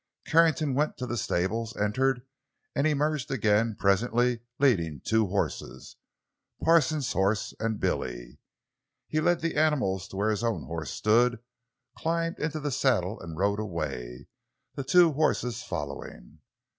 Carrington went to the stable, entered, and emerged again presently, leading two horses—Parsons' horse and Billy. He led the animals to where his own horse stood, climbed into the saddle and rode away, the two horses following.